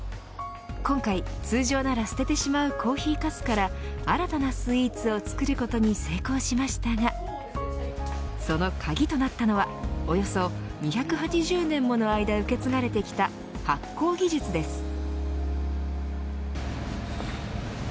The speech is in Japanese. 今回、通常なら捨ててしまうコーヒーかすから新たなスイーツを作ることに成功しましたがその鍵となったのはおよそ２８０年もの間受け継がれてきた発酵技術です。